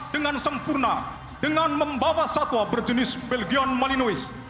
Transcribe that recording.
dengan sempurna dengan membawa satwa berjenis belgion malinois